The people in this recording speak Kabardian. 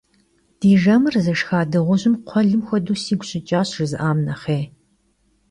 «Di jjemır zışşxa dığujım kxhuelım xuedeu sigu şıç'aş» jjızı'am nexhêy.